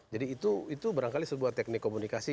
jadi itu berangkali sebuah teknik komunikasi